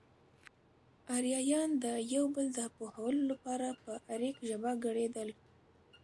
اريايان د يو بل د پوهولو لپاره په اريک ژبه ګړېدل.